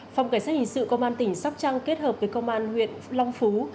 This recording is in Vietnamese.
phòng cảnh sát hình sự công an tỉnh sóc trăng kết hợp với công an huyện long phú